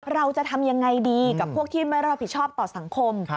เราจะทำยังไงดีกับพวกที่ไม่รับผิดชอบต่อสังคม